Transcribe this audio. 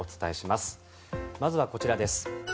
まずはこちらです。